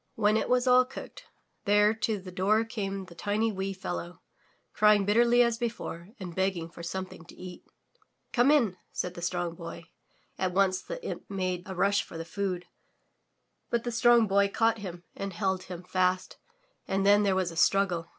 When it was all cooked, there to the door came the tiny wee fellow, crying bitterly as before and begging for something to eat. "Come in,*' said the Strong Boy. At once the imp made a rush for the food, but the Strong Boy caught him and held him fast and then there was struggle.